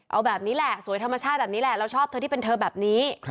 เอาแบบนี้แหละสวยธรรมชาติแบบนี้แหละเราชอบเธอที่เป็นเธอแบบนี้